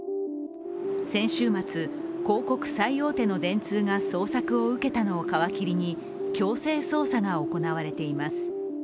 先週末、広告最大手の電通が捜索を受けたのを皮切りに強制捜査が行われています。